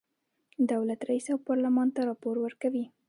دولت رئیس او پارلمان ته راپور ورکوي.